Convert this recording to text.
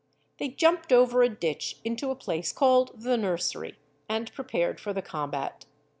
They jumped over a ditch into a place called the Nursery, and prepared for the combat.